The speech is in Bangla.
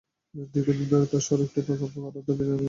দীর্ঘদিন ধরে তাঁরা সড়কটি পাকা করার দাবি জানিয়ে এলেও কোনো লাভ হয়নি।